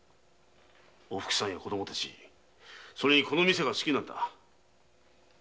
おふくさんや子供達やこの店が好きなんだ。